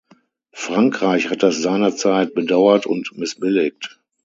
Frankreich hat das seinerzeit bedauert und missbilligt.